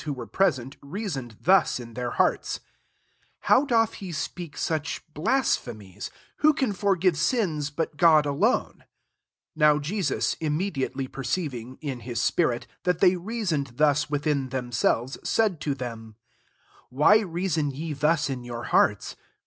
who were present, reasoned thus in their hearts, 7 " How doth he speak such blasphe mies ? who can forgive sins, but God alone ?" 8 Now Jesus, im mediately perceiving, in his spirit, that they reasoned thus within themselves, said to them, " Why reason ye thus in your hearts